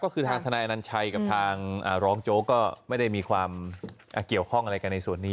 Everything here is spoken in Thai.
ก็คือทางทนายอนัญชัยกับทางร้องโจ๊กก็ไม่ได้มีความเกี่ยวข้องอะไรกันในส่วนนี้